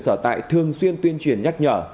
sở tại thường xuyên tuyên truyền nhắc nhở